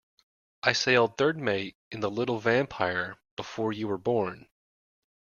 I sailed third mate in the little Vampire before you were born.